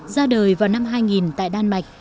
ra đời vào năm hai nghìn tại đan mạch